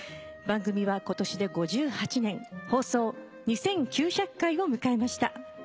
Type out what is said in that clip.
番組は今年で５８年放送２，９００回を迎えました。